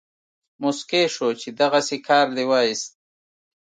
موسکی شو چې دغسې کار دې وایست.